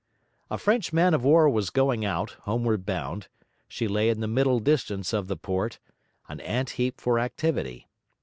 A French man of war was going out, homeward bound; she lay in the middle distance of the port, an ant heap for activity.